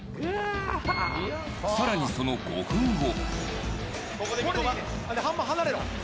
更に、その５分後。